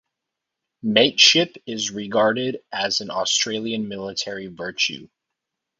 Mateship is regarded as an Australian military virtue.